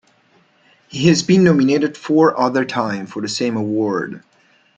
He has been nominated four other times for the same award.